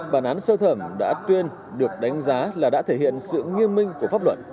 bản án sơ thẩm đã tuyên được đánh giá là đã thể hiện sự nghiêm minh của pháp luật